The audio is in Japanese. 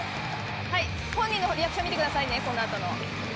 はい本人のリアクション見てくださいねこの後の。